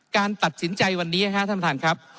การตัดสินใจวันนี้นะครับท่านครับ